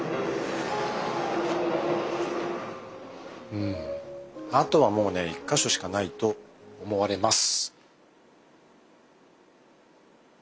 うんあとはもうね１か所しかないと思われます。